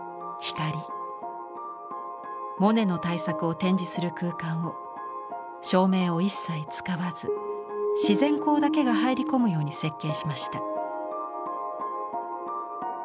モネの大作を展示する空間を照明を一切使わず自然光だけが入り込むように設計しました。